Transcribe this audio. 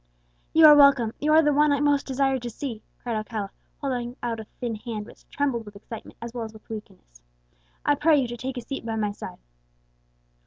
"You are welcome; you are the one whom I most desired to see!" cried Alcala, holding out a thin hand which trembled with excitement as well as with weakness. "I pray you to take a seat by my side."